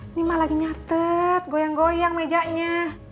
ini malah lagi nyatet goyang goyang mejanya